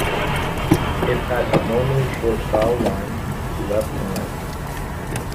It had abnormally short foul lines, to left and right.